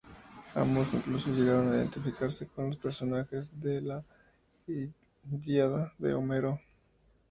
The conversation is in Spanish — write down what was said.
Ambos incluso llegaron a identificarse con los personajes de la "Ilíada" de Homero.